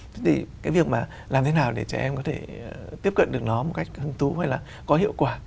thế thì cái việc mà làm thế nào để trẻ em có thể tiếp cận được nó một cách hứng thú hay là có hiệu quả